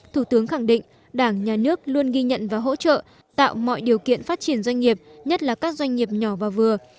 thủ tướng khẳng định đảng nhà nước luôn ghi nhận và hỗ trợ tạo mọi điều kiện phát triển doanh nghiệp nhất là các doanh nghiệp nhỏ và vừa